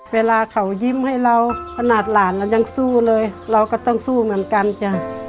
เวลาเขายิ้มให้เราขนาดหลานเรายังสู้เลยเราก็ต้องสู้เหมือนกันจ้ะ